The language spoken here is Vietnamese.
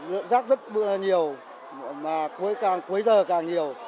đợt giác rất nhiều mà cuối giờ càng nhiều